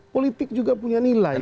politik juga punya nilai